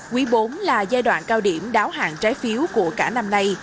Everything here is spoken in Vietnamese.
quý bốn là giai đoạn cao điểm đáo hạng trái phiếu của cả năm nay